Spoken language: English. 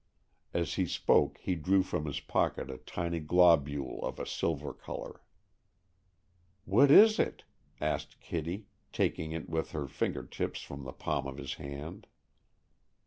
As he spoke he drew from his pocket a tiny globule of a silver color. "What is it?" asked Kitty, taking it with her finger tips from the palm of his hand.